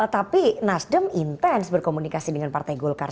tapi nasdem intens berkomunikasi dengan partai golkar